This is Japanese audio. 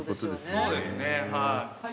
そうですねはい。